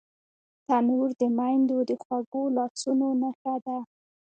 تنور د میندو د خوږو لاسونو نښه ده